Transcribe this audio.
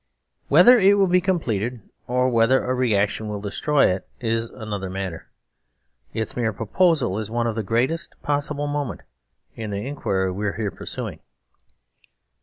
Whether it will be completed or whether a reaction will destroy it is another matter. Its mere proposal is of the greatest possible moment in the inquiry we are here pursuing.